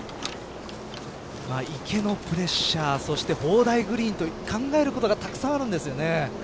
池のプレッシャー砲台グリーンと考えることがたくさんあるんですよね。